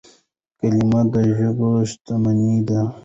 کلیمه د ژبي شتمني ده.